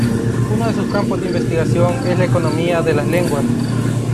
Uno de sus campos de investigación es la economía de las lenguas.